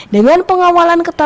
dengan pengawalan ketentuan